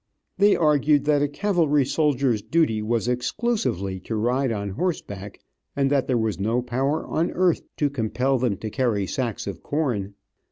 They argued that a cavalry soldier's duty was exclusively to ride on horseback, and that there was no power on earth to compel them to carry sacks of corn.